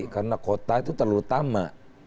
karena kota itu terutama